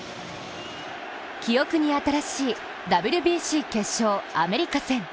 記憶に新しいＷＢＣ決勝、アメリカ戦。